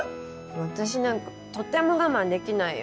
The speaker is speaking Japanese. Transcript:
私なんかとても我慢できないよ。